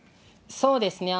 そうですね。